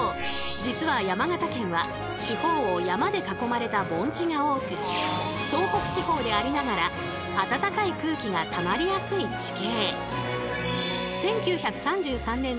実は山形県は四方を山で囲まれた盆地が多く東北地方でありながら温かい空気がたまりやすい地形。